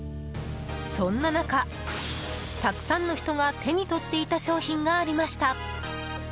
そんな中、たくさんの人が手に取っていた商品がありました。